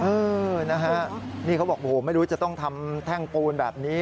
อืมนี่เขาบอกไม่รู้จะต้องทำแท่งปูนแบบนี้